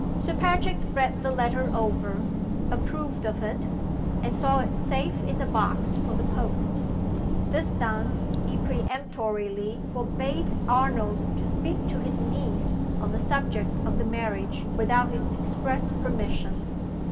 Sir Patrick read the letter over, approved of it, and saw it safe in the box for the post. This done, he peremptorily forbade Arnold to speak to his niece on the subject of the marriage without his express permission.